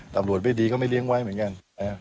ตำรวจไม่ดีก็ไม่เลี้ยงไว้เหมือนกัน